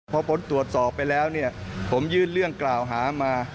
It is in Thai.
พอพ้นตรวจสอบไปแล้วผมยื่นเรื่องกล่าวหามา